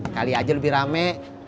kali aja lebih rame